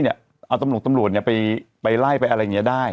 เอาตำรวจตำรวจไปไล่ไปอะไรอย่างนี้ได้